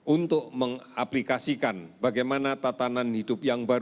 untuk mengaplikasikan bagaimana tatanan hidup kita